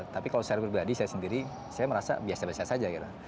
tapi kalau secara pribadi saya sendiri saya merasa biasa biasa saja